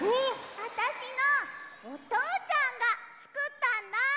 あたしのおとうちゃんがつくったんだ！